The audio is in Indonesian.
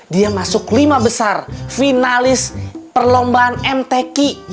dia masuk lima besar finalis perlombaan mtki